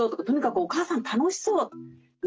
とにかくお母さん楽しそう。